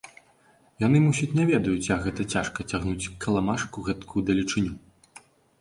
Яны, мусіць, не ведаюць, як гэта цяжка цягнуць каламажку гэткую далечыню?